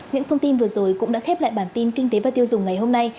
những thông tin vừa rồi cũng đã khép lại bản tin kinh tế và tiêu dùng ngày hôm nay